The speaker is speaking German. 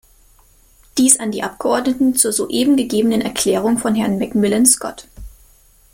Dies an die Abgeordneten zur soeben gegebenen Erklärung von Herrn McMillan-Scott.